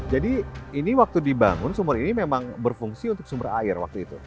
jadi ini waktu dibangun sumur ini memang berfungsi untuk sumber air waktu itu